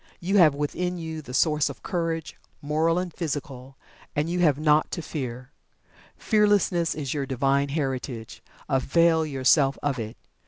You have within you the Source of Courage, Moral and Physical, and you have naught to Fear Fearlessness is your Divine Heritage, avail yourself of it.